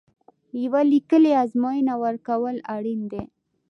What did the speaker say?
یوه لیکلې ازموینه ورکول اړین دي.